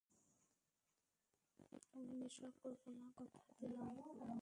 আমি নেশা করবো না, কথা দিলাম।